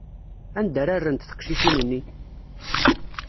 Anda ara rrent teqcicin-nni?